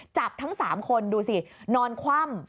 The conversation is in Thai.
ทั้ง๓คนดูสินอนคว่ำ